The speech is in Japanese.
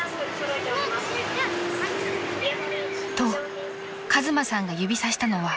［と和真さんが指さしたのは］